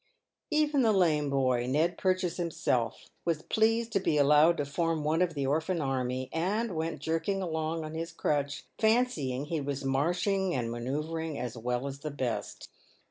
Even the lame boy, Ned Purchase himself, was pleased to be allowed to form one of the orphan army, and went jerking along on his crutch, fancying he was marching and manoeuvring as well as the best.